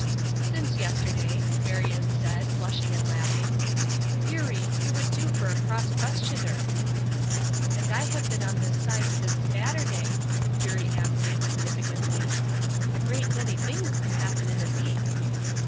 "Since yesterday," Marion said, blushing and laughing. "Eurie, you would do for a cross questioner." "And I have been on this side since Saturday,'" Eurie answered, significantly. "A great many things can happen in a week."